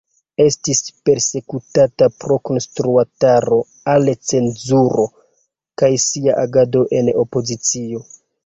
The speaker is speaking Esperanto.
Estis persekutata pro kontraŭstaro al cenzuro kaj sia agado en opozicio.